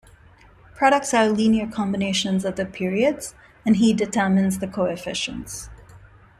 Products are linear combinations of the periods, and he determines the coefficients.